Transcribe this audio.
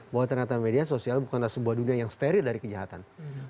bahwa ternyata media sosial bukanlah sebuah dunia yang steril dari kejahatan